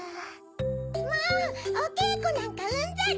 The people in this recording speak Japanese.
もうおけいこなんかうんざり！